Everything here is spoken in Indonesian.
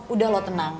udah lo tenang